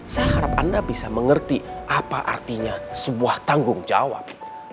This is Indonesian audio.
saya harap anda bisa mengerti apa artinya sebuah tanggung jawab